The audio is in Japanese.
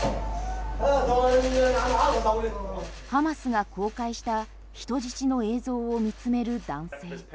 ハマスが公開した人質の映像を見つめる男性。